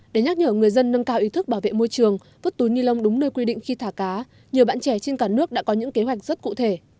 để nhắc nhở người dân nâng cao ý thức bảo vệ môi trường vứt túi ni lông đúng nơi quy định khi thả cá nhiều bạn trẻ trên cả nước đã có những kế hoạch rất cụ thể